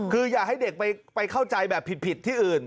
คืออย่าให้เด็กไปเข้าใจแบบผิดที่อื่น